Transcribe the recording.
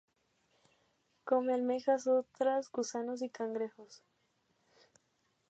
Come almejas, ostras, gusanos y cangrejos.